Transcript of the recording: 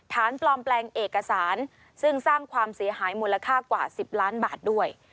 ปลอมแปลงเอกสารซึ่งสร้างความเสียหายมูลค่ากว่า๑๐ล้านบาทด้วย